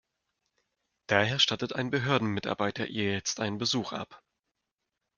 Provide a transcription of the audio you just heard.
Daher stattet ein Behördenmitarbeiter ihr jetzt einen Besuch ab.